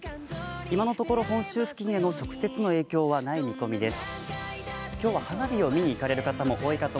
今のところ本州付近への直接の影響はないです。